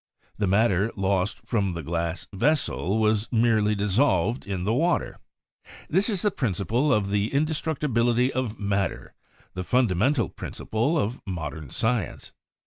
The matter lost from the glass vessel was merely dissolved in the water. This is the principle of the Indestructibility of Matter, the fundamental principle of modern science.